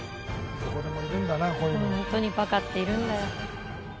本当にバカっているんだよ。